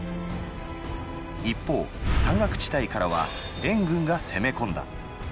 一方山岳地帯からは燕軍が攻め込んだ。